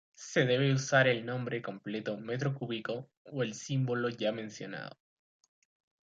Se debe usar el nombre completo "metro cúbico" o el símbolo ya mencionado.